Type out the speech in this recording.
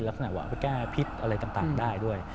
ลักษณะว่าไม่แก้พิษอะไรต่างได้ด้วย